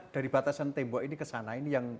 dibatasin tembok ini kesana